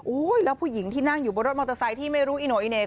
แล้วผู้หญิงที่นั่งอยู่บนรถมอเตอร์ไซค์ที่ไม่รู้อีโน่อีเหน่